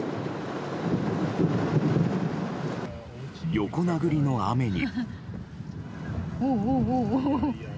横殴りの雨に。